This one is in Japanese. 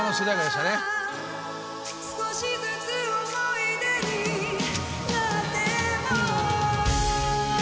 「少しずつ思い出になっても」